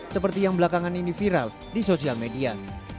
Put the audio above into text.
seperti yang belakangan ini viral di sosial media